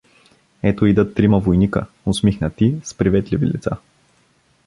Ето идат трима войника, усмихнати, с приветливи лица.